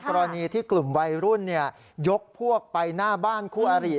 กรณีที่กลุ่มวัยรุ่นยกพวกไปหน้าบ้านคู่อาริ